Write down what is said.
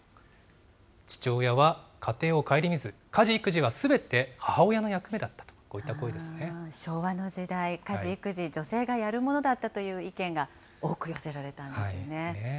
父親は家庭を顧みず、家事・育児はすべて母親の役目だったと、こ昭和の時代、家事、育児、女性がやるものだったという意見が多く寄せられたんですよね。